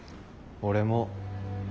俺も。